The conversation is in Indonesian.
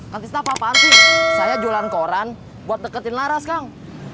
kantis nak apa apaan sih saya jualan koran buat deketin laras kang